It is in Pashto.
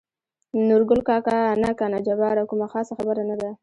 نورګل کاکا: نه کنه جباره کومه خاصه خبره نه ده.